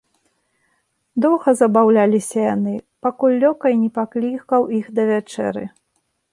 Доўга забаўляліся яны, пакуль лёкай не паклікаў іх да вячэры.